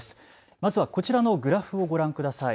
まずはこちらのグラフをご覧ください。